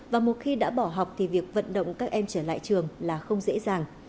và một khi đã bỏ học thì việc vận động các em trở lại trường là không dễ dàng